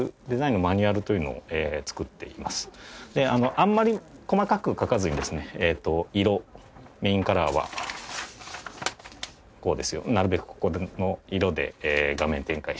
あんまり細かく書かずにですね色メインカラーはこうですよなるべくここの色で画面展開していきましょうとか。